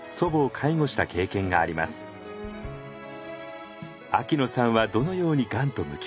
秋野さんはどのようにがんと向き合ったのか？